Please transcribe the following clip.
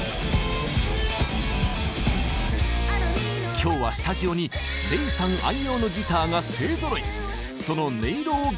今日はスタジオにＲｅｉさん愛用のギターが勢ぞろい！